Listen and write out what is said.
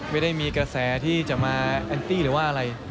ไม่ได้มีกระแสที่จะมาแอนตี้หรือว่าอะไร